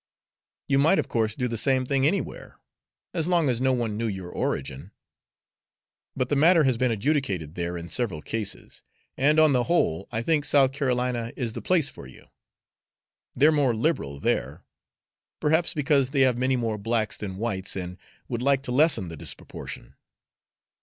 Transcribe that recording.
You might, of course, do the same thing anywhere, as long as no one knew your origin. But the matter has been adjudicated there in several cases, and on the whole I think South Carolina is the place for you. They're more liberal there, perhaps because they have many more blacks than whites, and would like to lessen the disproportion."